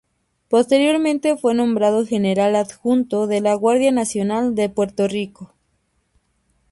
Posteriormente fue nombrado General Adjunto de la Guardia Nacional de Puerto Rico.